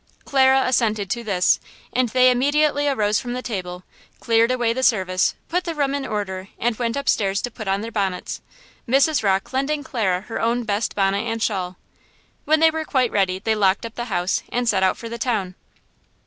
Clara assented to this, and they immediately arose from the table, cleared away the service, put the room in order and went up stairs to put on their bonnets, Mrs. Rocke lending Clara her own best bonnet and shawl. When they were quite ready they locked up the house and set out for the town.